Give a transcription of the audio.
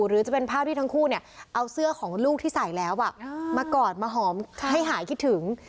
หรือจะเป็นภาพที่ทั้งคู่เอาเสื้อของลูกที่ใส่แล้วมากอดมาหอมให้หายคิดถึง